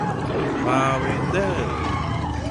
ลาเวนเดอร์